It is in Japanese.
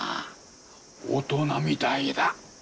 大人みたいだ。